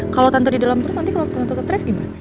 kalau tante di dalam terus nanti kalau tante stres gimana